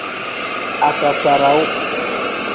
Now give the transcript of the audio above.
Asasarawu.